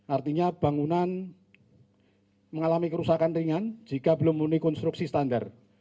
artinya bangunan mengalami kerusakan ringan jika belum memenuhi konstruksi standar